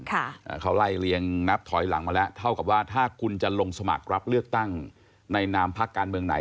เขาไล่เรียงนับถอยหลังมาแล้วเท่ากับว่าถ้าคุณจะลงสมัครรับเลือกตั้งในนามพักการเมืองไหน